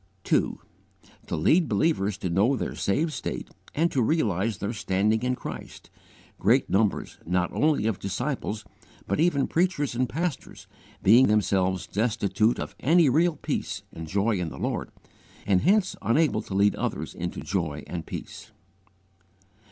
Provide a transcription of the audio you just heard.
2. To lead believers to know their saved state, and to realize their standing in Christ, great numbers not only of disciples, but even preachers and pastors, being themselves destitute of any real peace and joy in the Lord, and hence unable to lead others into joy and peace.